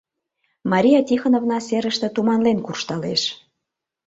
— Мария Тихоновна серыште туманлен куржталеш.